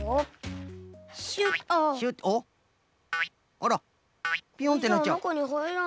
あらピョンってなっちゃう。